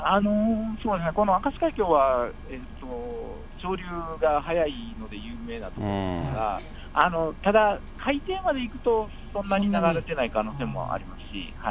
この明石海峡は潮流が速いので有名なんですが、ただ、海底まで行くとそんなに流れてない可能性もありますし。